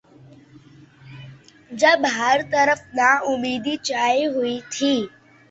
جب ہر طرف ناامیدی چھائی ہوئی تھی۔